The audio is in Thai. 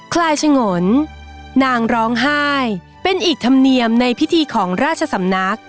คลายฉงนนางร้องไห้เป็นอีกธรรมเนียมในพิธีของราชสำนัก